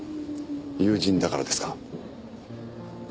友人だからですか？